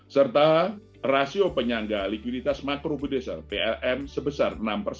serta rasio penyangga likuiditas makrobilisial plm sebesar enam